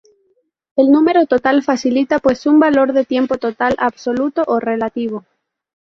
El número total facilita pues un valor de tiempo total absoluto o relativo.